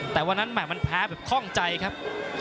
แต่วันนั้นมันแพ้แบบคล่องใจครับ